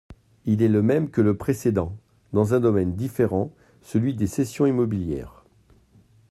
Il est le même que le précédent, dans un domaine différent, celui des cessions immobilières.